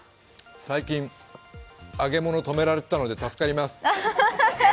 最近、揚げ物止められていたので助かります。